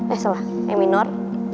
eh salah e minor